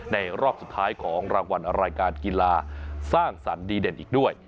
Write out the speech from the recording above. รอบสุดท้ายของรางวัลรายการกีฬาสร้างสรรค์ดีเด่นอีกด้วย